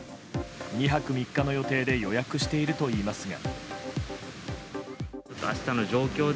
２泊３日の予定で予約しているといいますが。